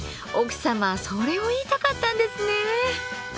奥様それを言いたかったんですね。